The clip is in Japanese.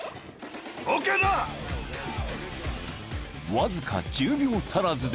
［わずか１０秒足らずで］